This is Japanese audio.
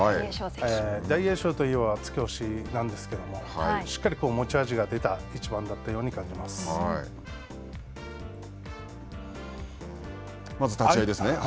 大栄翔といえば突き押しなんですけども、しっかり持ち味が出た一まず立ち合いですね。